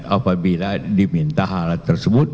apabila diminta hal tersebut